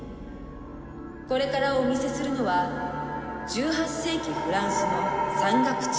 これからお見せするのは１８世紀フランスの山岳地帯。